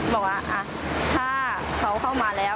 บอกว่าถ้าเขาเข้ามาแล้ว